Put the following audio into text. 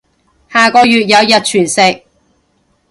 下個月有日全食